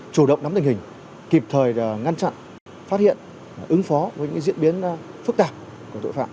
chủ động nắm tình hình kịp thời ngăn chặn phát hiện ứng phó với những diễn biến phức tạp của tội phạm